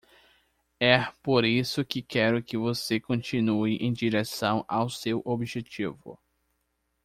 É por isso que quero que você continue em direção ao seu objetivo.